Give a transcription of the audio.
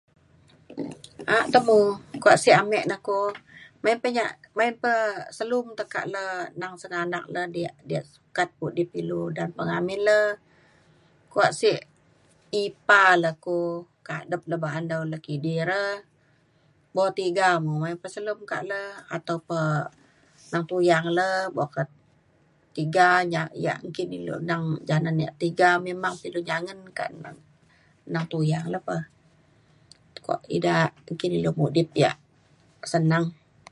a’ak te mo kuak sek ame na ko main pa main pa selum tekak le neng sengganak le diak diak sukat pudip ilu da pengamin le kuak sik ipar le ku kadep le ba’an dau le kidi re. bo tiga mu pa selem tekak le atau pe neng tuyang le buk ka tiga yak nggin ilu yak neng janen yak tiga memang pa ilu nyangen kak neng neng tuyang le pa kuak ida nggin ilu mudip yak senang